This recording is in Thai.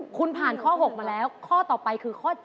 คุณผ่านข้อ๖มาแล้วข้อต่อไปคือข้อ๗